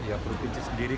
ya provinsi sendiri